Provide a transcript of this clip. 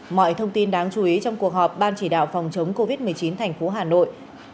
mọi thông tin đáng chú ý trong cuộc họp ban chỉ đạo phòng chống covid một mươi chín thành phố hà nội